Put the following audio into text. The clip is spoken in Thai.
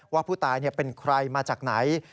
ว่าผู้ตายเป็นใครมาจากไหน